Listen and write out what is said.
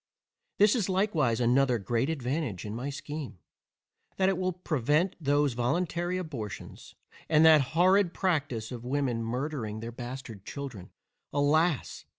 There is likewise another great advantage in my scheme, that it will prevent those voluntary abortions, and that horrid practice of women murdering their bastard children, alas!